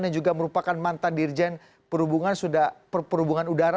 yang juga merupakan mantan dirjen perhubungan udara